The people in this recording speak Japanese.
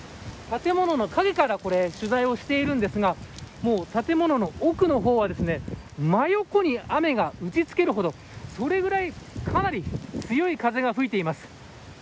建物の陰から取材をしているんですがもう建物の奥の方は真横に雨が打ち付けるほどそれぐらいかなり強い風が吹いています。